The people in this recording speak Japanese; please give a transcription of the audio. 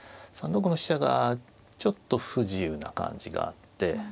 ３六の飛車がちょっと不自由な感じがあって。